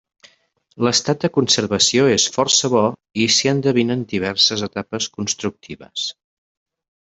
L'estat de conservació és força bo i s'hi endevinen diverses etapes constructives.